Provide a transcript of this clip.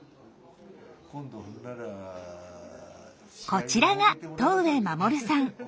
こちらが戸上守さん。